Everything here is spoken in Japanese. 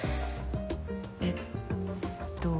えっと。